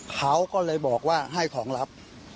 เขาก็เลยบอกว่าให้ของรับ